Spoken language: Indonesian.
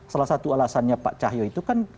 salah satu alasannya pak cahyo itu kan